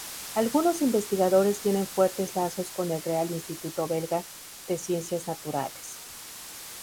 Algunos investigadores tienen fuertes lazos con el Real Instituto Belga de Ciencias Naturales.